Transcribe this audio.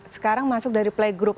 sekarang masuk dari playgroup